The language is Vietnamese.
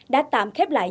đã tạm khép lại